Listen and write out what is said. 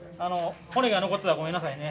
骨が残ってたらごめんなさいね。